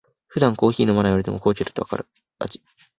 普段コーヒー飲まない俺でも高級だとわかる味